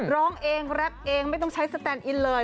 ร้องเองแรปเองไม่ต้องใช้สแตนอินเลย